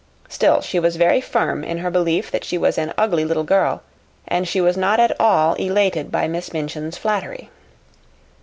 Still she was very firm in her belief that she was an ugly little girl, and she was not at all elated by Miss Minchin's flattery.